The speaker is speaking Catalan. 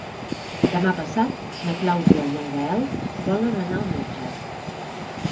Demà passat na Clàudia i en Gaël volen anar al metge.